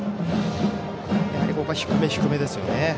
ここは低め低めですよね。